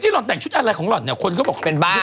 หล่อนแต่งชุดอะไรของหล่อนเนี่ยคนก็บอกเป็นบ้าน